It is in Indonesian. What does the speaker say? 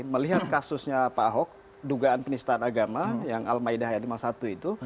melihat kasusnya pak ahok dugaan penistaan agama yang al ma'idah lima puluh satu itu